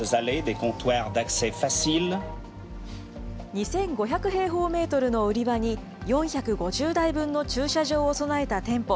２５００平方メートルの売り場に、４５０台分の駐車場を備えた店舗。